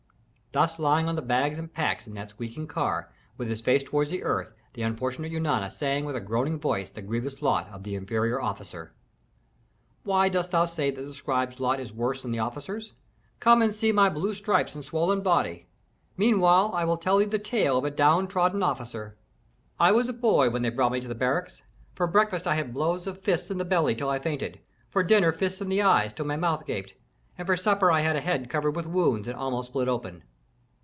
Thus lying on the bags and packs in that squeaking car, with his face toward the earth, the unfortunate Eunana sang with a groaning voice the grievous lot of the inferior officer, "Why dost thou say that the scribe's lot is worse than the officer's? Come and see my blue stripes and swollen body; meanwhile I will tell thee the tale of a downtrodden officer. "I was a boy when they brought me to the barracks. For breakfast I had blows of fists in the belly, till I fainted; for dinner fists in the eyes, till my mouth gaped; and for supper I had a head covered with wounds and almost split open.